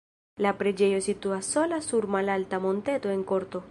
La preĝejo situas sola sur malalta monteto en korto.